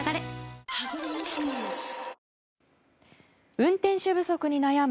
運転手不足に悩む